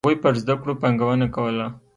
هغوی پر زده کړو پانګونه کوله.